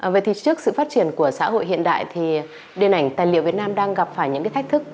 vậy thì trước sự phát triển của xã hội hiện đại thì điện ảnh tài liệu việt nam đang gặp phải những cái thách thức